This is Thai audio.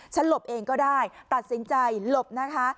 หลบเองก็ได้ตัดสินใจหลบนะคะ